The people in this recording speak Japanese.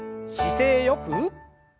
姿勢よく。